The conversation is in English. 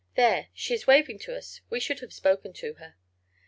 There, she is waving to us! We should have spoken to her."